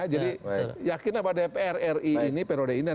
jadi yakin apa dpr ri ini periode ini